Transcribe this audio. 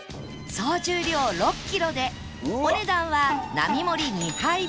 総重量６キロでお値段は並盛り２杯分